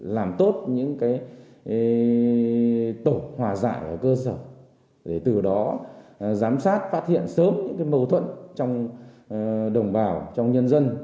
làm tốt những tổ hòa dạy ở cơ sở để từ đó giám sát phát hiện sớm những mâu thuẫn trong đồng bào trong nhân dân